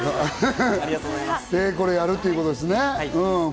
これ、やるってことですね。